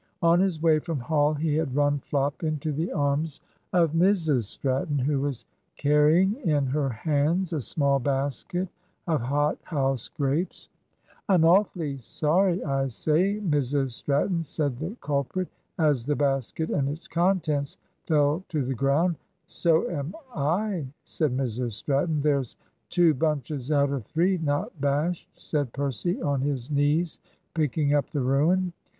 On his way from Hall he had run flop into the arms of Mrs Stratton, who was carrying in her hands a small basket of hothouse grapes. "I'm awfully sorry, I say, Mrs Stratton," said the culprit, as the basket and its contents fell to the ground. "So am I," said Mrs Stratton. "There's two bunches out of three not bashed," said Percy, on his knees picking up the ruin.